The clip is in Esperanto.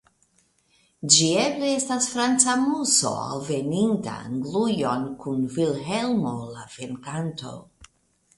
Ĝi eble estas franca muso alveninta Anglujon kun Vilhelmo la Venkanto.